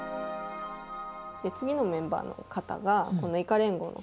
次のメンバーの方がイカ連合の代表の。